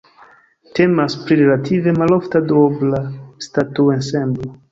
Temas pri relative malofta duobla statuensemblo.